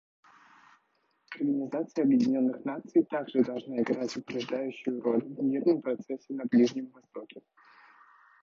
Организация Объединенных Наций также должна играть упреждающую роль в мирном процессе на Ближнем Востоке.